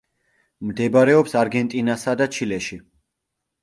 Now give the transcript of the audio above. მდებარეობს არგენტინასა და ჩილეში.